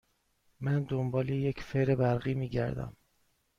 من دنبال یک فر برقی می گردم.